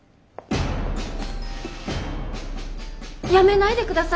辞めないでください！